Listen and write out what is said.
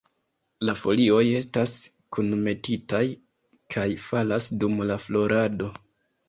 La folioj estas kunmetitaj kaj falas dum la florado.